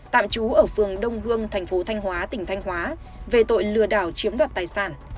tạm trú ở phường đông hương thành phố thanh hóa tỉnh thanh hóa về tội lừa đảo chiếm đoạt tài sản